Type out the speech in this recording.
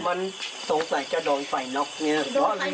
มันสงสัยจะโดนใส่น็อกเนี่ย